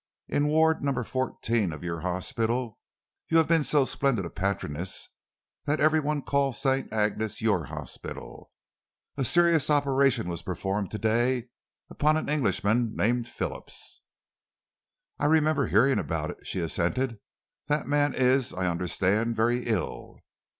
In Ward Number Fourteen of your hospital you have been so splendid a patroness that every one calls St. Agnes's your hospital a serious operation was performed to day upon an Englishman named Phillips." "I remember hearing about it," she assented. "The man is, I understand, very ill."